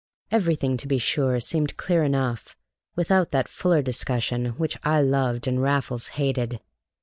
Everything, to be sure, seemed clear enough without that fuller discussion which I loved and Raffles hated.